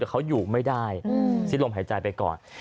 แต่เขาอยู่ไม่ได้สิ้นลมหายใจไปก่อน